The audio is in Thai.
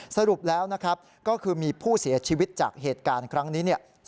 สรุปแล้วนะครับก็คือมีผู้เสียชีวิตจากเหตุการณ์ครั้งนี้เนี่ย